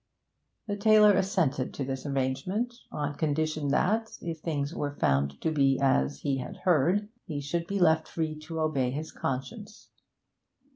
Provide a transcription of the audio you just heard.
The tailor assented to this arrangement, on condition that, if things were found to be as he had heard, he should be left free to obey his conscience.